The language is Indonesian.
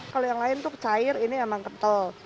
kalau yang lain tuh cair ini emang kental